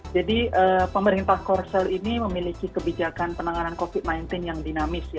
jadi pemerintah korsel ini memiliki kebijakan penanganan covid sembilan belas yang dinamis